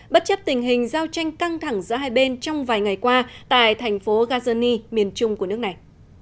bất chấp tình hình giao tranh căng thẳng giữa hai bên trong vài ngày qua tại thành phố gazoni miền trung của nước này